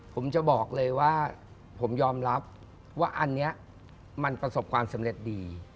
ผมจะบอกเลยว่าผมยอมรับว่าอันนี้มันประสบความสำเร็จดี